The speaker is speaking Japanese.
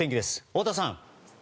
太田さん。